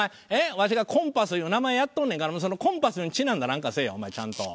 わしがコンパスいう名前やっとんねんからそのコンパスにちなんだなんかせえよお前ちゃんと。